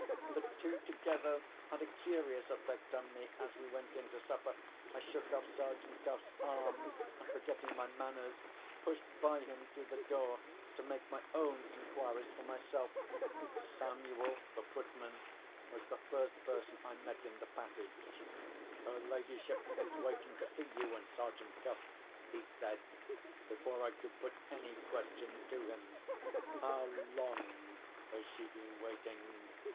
The two together had a curious effect on me as we went in to supper. I shook off Sergeant Cuff's arm, and, forgetting my manners, pushed by him through the door to make my own inquiries for myself. Samuel, the footman, was the first person I met in the passage. "Her ladyship is waiting to see you and Sergeant Cuff," he said, before I could put any questions to him. "How long has she been waiting?"